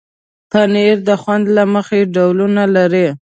پنېر د خوند له مخې ډولونه لري.